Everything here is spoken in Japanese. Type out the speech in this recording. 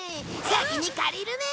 先に借りるね！